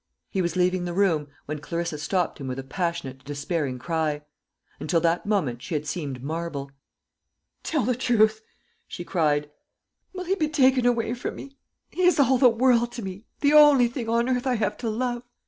He was leaving the room, when Clarissa stopped him with a passionate despairing cry. Until that moment she had seemed marble. "Tell me the truth," she cried. "Will he be taken away from me? He is all the world to me the only thing on earth I have to love.